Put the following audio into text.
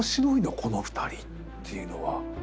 この２人」っていうのは。